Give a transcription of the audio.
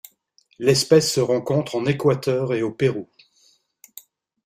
L'espèce se rencontre en Équateur et au Pérou.